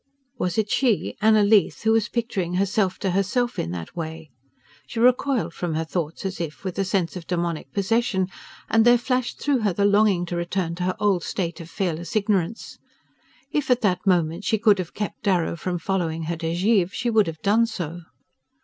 Was it she, Anna Leath, who was picturing herself to herself in that way? She recoiled from her thoughts as if with a sense of demoniac possession, and there flashed through her the longing to return to her old state of fearless ignorance. If at that moment she could have kept Darrow from following her to Givre she would have done so...